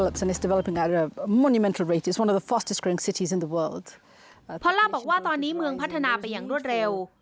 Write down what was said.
พอล่าบอกว่าตอนนี้เมืองพัฒนาไปอย่างรวดเร็ว